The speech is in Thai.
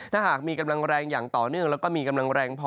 ถ้าหากมีกำลังแรงอย่างต่อเนื่องแล้วก็มีกำลังแรงพอ